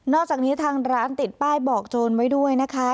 อกจากนี้ทางร้านติดป้ายบอกโจรไว้ด้วยนะคะ